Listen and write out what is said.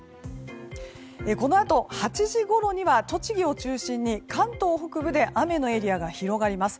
このあと、８時ごろには栃木を中心に関東北部で雨のエリアが広がります。